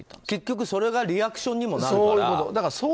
結局それがリアクションにもなるから。